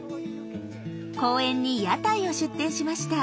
公園に屋台を出店しました。